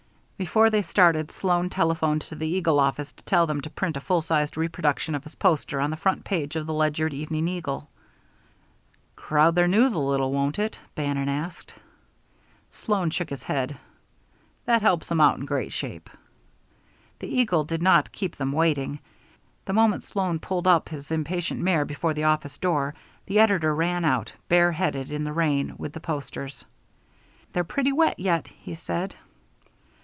Before they started Sloan telephoned to the Eagle office to tell them to print a full sized reproduction of his poster on the front page of the Ledyard Evening Eagle. "Crowd their news a little, won't it?" Bannon asked. Sloan shook his head. "That helps 'em out in great shape." The Eagle did not keep them waiting. The moment Sloan pulled up his impatient mare before the office door, the editor ran out, bare headed, in the rain, with the posters. "They're pretty wet yet," he said.